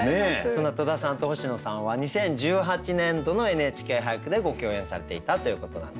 そんな戸田さんと星野さんは２０１８年度の「ＮＨＫ俳句」でご共演されていたということなんですが。